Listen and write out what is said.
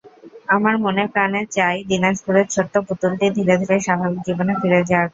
আমরা মনেপ্রাণে চাই, দিনাজপুরের ছোট্ট পুতুলটি ধীরে ধীরে স্বাভাবিক জীবনে ফিরে যাক।